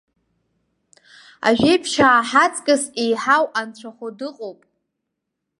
Ажәеиԥшьаа ҳаҵкыс еиҳау анцәахәы дыҟоуп.